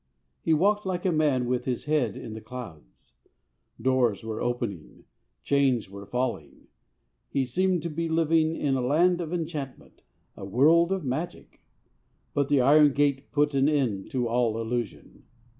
He walked like a man with his head in the clouds. Doors were opening; chains were falling; he seemed to be living in a land of enchantment, a world of magic. But the iron gate put an end to all illusion.